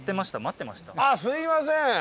あっすいません。